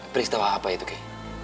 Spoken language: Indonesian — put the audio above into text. peristiwa apa itu kay